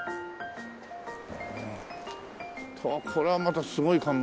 これはまたすごい看板。